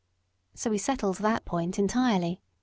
So we settled that point entirely.